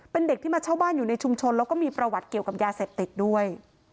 เป็นเด็กที่มาเช่าบ้านอยู่ในชุมชนแล้วก็มีประวัติเกี่ยวกับยาเสพติดด้วย